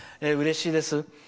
うれしいです。